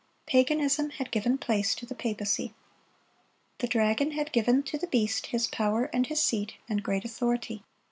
Paganism had given place to the papacy. The dragon had given to the beast "his power, and his seat, and great authority."